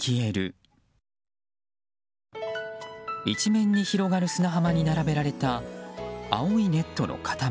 一面に広がる砂浜に並べられた青いネットの塊。